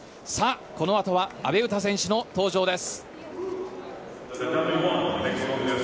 このあとは阿部詩選手の登場です。